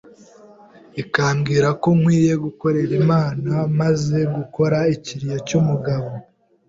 ikambwira ko nkwiye gukorera Imana, maze gukura ikiriyo cy’umugabo